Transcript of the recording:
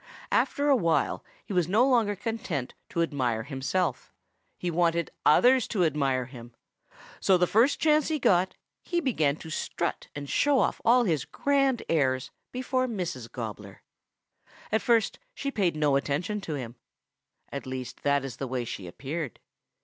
After a while he was no longer content to admire himself. He wanted others to admire him. So the first chance he got he began to strut and show off all his grand airs before Mrs. Gobbler. At first she paid no attention to him. At least that is the way she appeared.